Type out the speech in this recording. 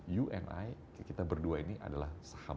you and i kita berdua ini adalah sahabat